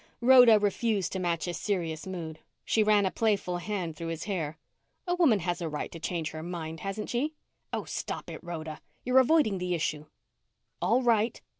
Rhoda refused to match his serious mood. She ran a playful hand through his hair. "A woman has a right to change her mind, hasn't she?" "Oh, stop it, Rhoda. You're avoiding the issue." "All right.